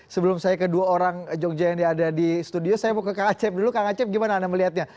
sebelum saya ke dua orang jogja yang ada di studio saya mau ke kak acep dulu kang acep gimana anda melihatnya